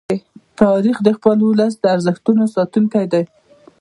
تاریخ د خپل ولس د ارزښتونو ساتونکی دی.